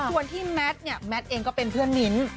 ส่วนที่แมทเนี่ยแมทเองก็เป็นเพื่อนมิ้น